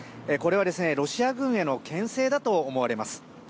これはロシア軍への牽制だと思われます。